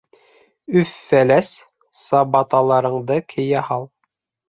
Өф-Фәләс, сабаталарыңды кейә һал.